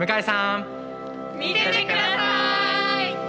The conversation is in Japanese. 見ててください！